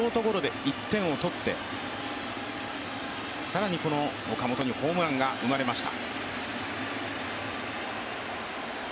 吉田選手のショートゴロで１点を取って更に、この岡本にホームランが生まれました。